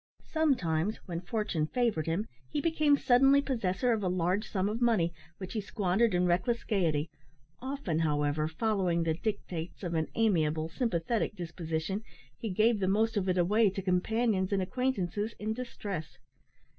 Sometimes, when fortune favoured him, he became suddenly possessor of a large sum of money, which he squandered in reckless gaiety, often, however, following the dictates of an amiable, sympathetic disposition, he gave the most of it away to companions and acquaintances in distress.